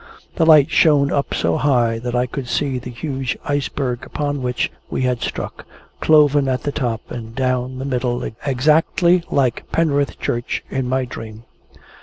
The light shone up so high that I could see the huge Iceberg upon which we had struck, cloven at the top and down the middle, exactly like Penrith Church in my dream.